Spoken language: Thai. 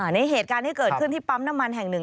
ในเหตุการณ์ที่เกิดขึ้นที่ปั๊มน้ำมันแห่งหนึ่ง